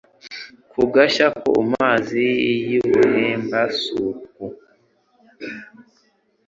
Kugashya ku mazi y' i Buhemba-suku*,